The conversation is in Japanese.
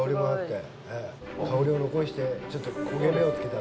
香りを残してちょっと焦げ目をつけた。